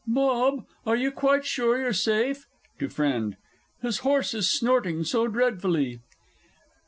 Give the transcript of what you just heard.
Bob, are you quite sure you're safe? (To FRIEND.) His horse is snorting so dreadfully!